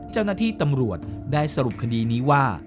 เจ้าหน้าที่ตำรวจได้สรุปคดีนี้ว่า